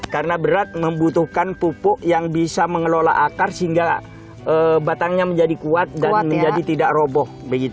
karena berat membutuhkan pupuk yang bisa mengelola akar sehingga batangnya menjadi kuat dan menjadi tidak roboh